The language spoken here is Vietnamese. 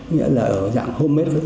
nghĩa là dạng home made